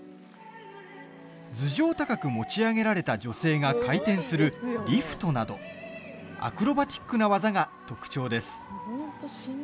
頭上高く持ち上げられた女性が回転するリフトなどアクロバティックな技が特徴です。